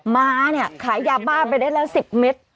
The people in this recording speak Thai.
ม้าเนี่ยขายยาบ้าไปได้แล้ว๑๐เมตร